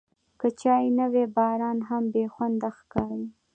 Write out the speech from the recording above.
که چای نه وي، باران هم بېخونده ښکاري.